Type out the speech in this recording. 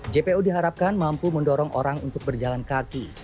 jpo diharapkan mampu mendorong orang untuk berjalan kaki